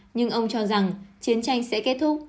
nhưng ông cho rằng chiến tranh sẽ kết thúc